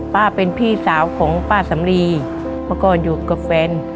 ป้าเป็นพี่สาวของป้าสำลีแล้วก็อยู่กับแฟน